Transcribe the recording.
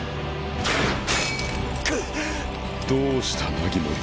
どうしたナギモリ？